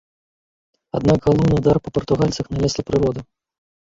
Аднак галоўны ўдар па партугальцах нанесла прырода.